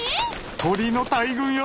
鳥の大群よ！